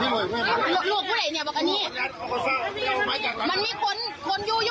ลูกลูกกูเลยอย่าบอกอันนี้มันมีคนคนอยู่อยู่ว่ะ